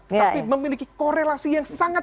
tetapi memiliki korelasi yang sangat